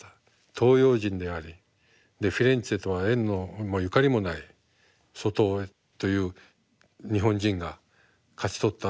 東洋人でありフィレンツェとは縁もゆかりもない外尾という日本人が勝ち取った。